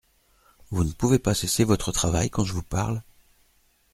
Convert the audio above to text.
Vous ne pouvez pas cesser votre travail quand je vous parle ?